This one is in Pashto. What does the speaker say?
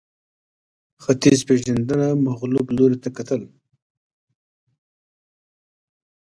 ختیځپېژندنه مغلوب لوري ته کتل